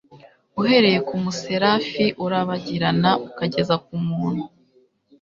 uhereye ku muserafi urabagirana ukageza ku muntu,